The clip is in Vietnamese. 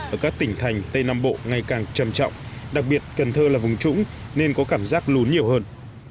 ở các tỉnh thành tây nam bộ ngày càng trầm trọng đặc biệt cần thơ là vùng trũng nên có cảm giác lún nhiều hơn